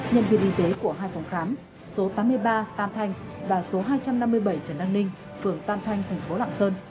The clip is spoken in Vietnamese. nhân viên y tế của hai phòng khám số tám mươi ba tam thanh và số hai trăm năm mươi bảy trần đăng ninh phường tam thanh thành phố lạng sơn